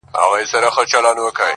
آیا «علوم» «فضول» ګڼلای شو